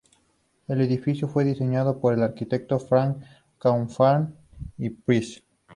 El edificio fue diseñado por el arquitecto Franz Kaufmann de Pest.